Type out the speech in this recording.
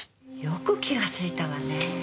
よく気が付いたわね。